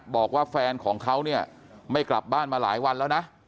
บอกว่าแฟนของเขาเนี่ยไม่กลับบ้านมาหลายวันแล้วนะ